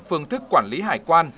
phương thức quản lý hải quan